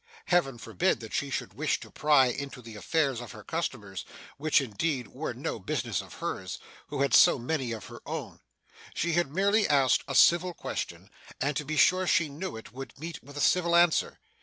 Heaven forbid that she should wish to pry into the affairs of her customers, which indeed were no business of hers, who had so many of her own. She had merely asked a civil question, and to be sure she knew it would meet with a civil answer.